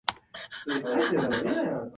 いずれ精巧無比な飜訳機械が発明される日まで、